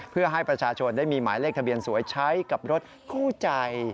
เพื่อให้ประชาชนได้มีหมายเลขทะเบียนสวยใช้กับรถคู่ใจ